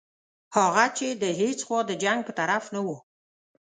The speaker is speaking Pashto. هغه چې د هیڅ خوا د جنګ په طرف نه وو.